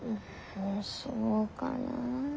そうかなあ。